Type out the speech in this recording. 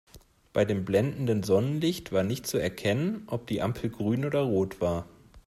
Bei dem blendenden Sonnenlicht war nicht zu erkennen, ob die Ampel grün oder rot war.